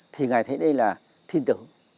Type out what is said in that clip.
thì ngài thấy đây là thiên tử